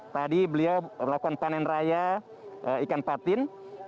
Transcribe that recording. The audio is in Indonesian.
tadi beliau melakukan panen raya ikan patin